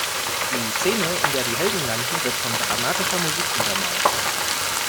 Die Szene, in der die Helden landen, wird von dramatischer Musik untermalt.